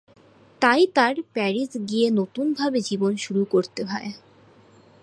তাই তার প্যারিস গিয়ে নতুনভাবে জীবন শুরু করতে ভায়।